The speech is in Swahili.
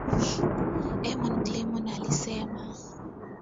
Eamon Gilmore alisema